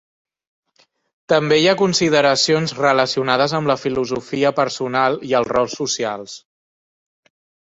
També hi ha consideracions relacionades amb la filosofia personal i els rols socials.